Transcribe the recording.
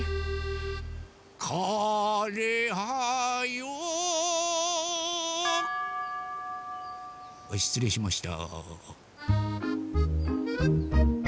かれはよしつれいしました。